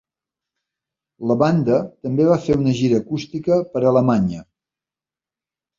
La banda també va fer una gira acústica per Alemanya.